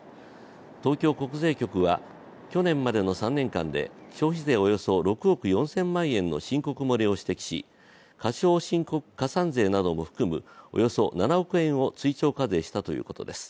東京国税局は去年までの３年間で消費税およそ６億４０００万円の申告漏れを指摘し過少申告加算税なども含むおよそ７億円を追徴課税したということです。